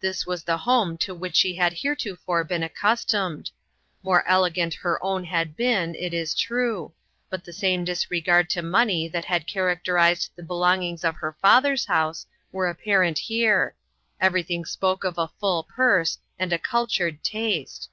This was the home to which she had heretofore been accustomed. More elegant her own had been, it is true, but the same disregard to money that had characterized the belongings of her father's house were apparent here ; everything spoke of a full purse and a cultured taste.